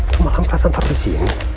semalam perasaan tak berisi